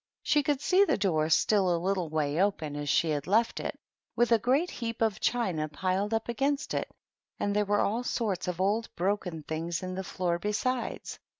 She could see the door, still a little way open, as she had left it, with the great heap of china piled up against it, and there were all sorts of old broken things on the floor besides.